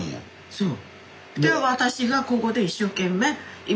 そう。